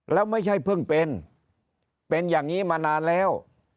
แล้วไม่ใช่เพิ่งเป็นเป็นอย่างนี้มานานแล้ว